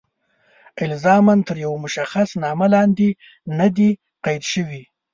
الزاماً تر یوه مشخص نامه لاندې نه دي قید شوي.